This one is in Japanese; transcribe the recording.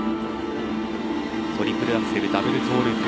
トリプルアクセルダブルトゥループ